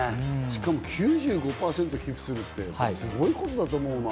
しかも９５％寄付するってすごいことだと思うな。